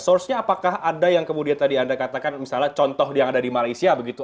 source nya apakah ada yang kemudian tadi anda katakan misalnya contoh yang ada di malaysia begitu